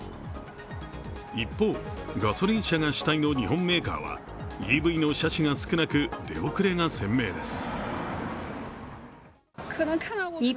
一方、ガソリン車が主体の日本メーカーはＥＶの車種が少なく、出遅れが鮮明です。